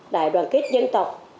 đài đoàn kết dân tộc